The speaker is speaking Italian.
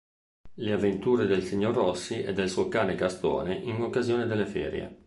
Le avventure del signor Rossi e del suo cane Gastone, in occasione delle ferie.